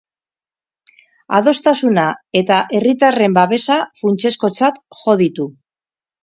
Adostasuna eta herritarren babesa funtsezkotzat jo ditu.